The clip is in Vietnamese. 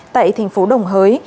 tại thành phố đồng hới